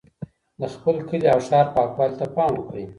د خپل کلي او ښار پاکوالي ته پام وکړئ.